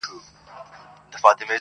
o خوندي مړې سوې، چي پاته ترلې سوې٫